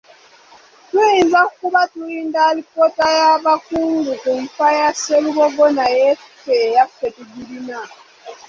Tuyinza kuba tulinda alipoota y’abakugu ku nfa ya Sserubogo naye ffe eyaffe tugirina.